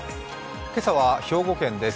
けさは兵庫県です。